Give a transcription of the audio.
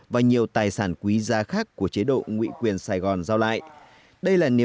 và nhiều tài sản quý gia khác của chế độ nguyện quyền sài gòn giao lại